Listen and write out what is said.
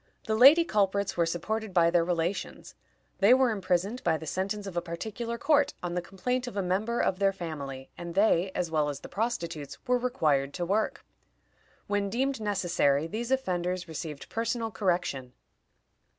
The lady culprits were supported by their relations. They were imprisoned by the sentence of a particular court, on the complaint of a member of their family, and they, as well as the prostitutes, were required to work. When deemed necessary, these offenders received personal correction.